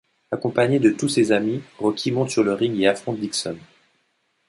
Accompagné de tous ses amis, Rocky monte sur le ring et affronte Dixon.